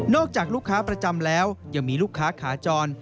จากลูกค้าประจำแล้วยังมีลูกค้าขาจร